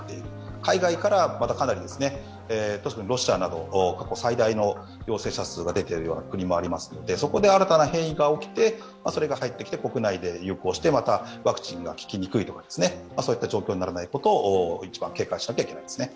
海外からまたかなり、特にロシアなど、最大の陽性者数が出ている国もありますのでそこで新たな変異が起きてそれが入ってきて国内で流行してワクチンが聞きにくいという状況にならないように一番警戒しなければいけないですね。